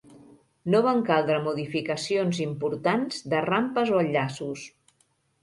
No van caldre modificacions importants de rampes o enllaços.